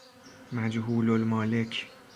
مجهول المالک